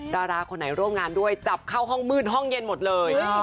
ดาราคนไหนร่วมงานด้วยจับเข้าห้องมืดห้องเย็นหมดเลย